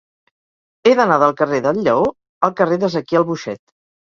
He d'anar del carrer del Lleó al carrer d'Ezequiel Boixet.